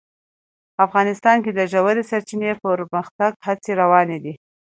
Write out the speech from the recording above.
افغانستان کې د ژورې سرچینې د پرمختګ هڅې روانې دي.